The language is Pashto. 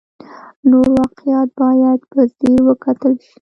نور واقعیات باید په ځیر وکتل شي.